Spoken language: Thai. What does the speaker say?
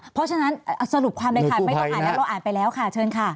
เพราะฉะนั้นสรุปความอ่านด้วยเราอ่านไปแล้วค่ะเชิญครับ